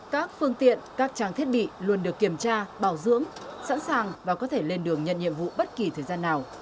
các phương tiện các trang thiết bị luôn được kiểm tra bảo dưỡng sẵn sàng và có thể lên đường nhận nhiệm vụ bất kỳ thời gian nào